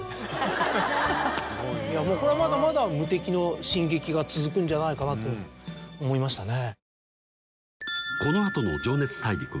これはまだまだ無敵の進撃が続くんじゃないかなと思いましたね。